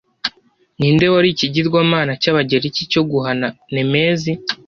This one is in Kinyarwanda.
Ninde wari ikigirwamana cy'Abagereki cyo guhana Nemezi